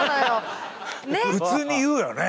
普通に言うよね。